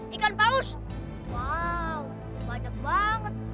ikan paus wow banyak banget